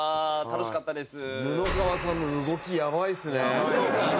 楽しかったです。